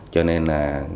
cho nên là